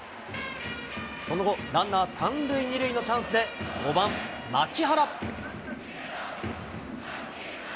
その後、ランナー３塁２塁のチャンスで、５番牧原。